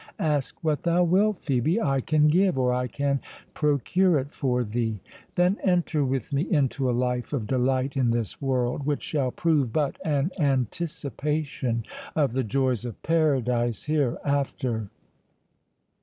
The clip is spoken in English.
Ask what thou wilt, Phœbe, I can give, or I can procure it for thee—Then enter with me into a life of delight in this world, which shall prove but an anticipation of the joys of Paradise hereafter!"